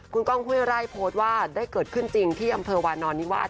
คุณก้องห้วยไร่โพสต์ว่าได้เกิดขึ้นจริงที่อำเภอวานอนนิวาส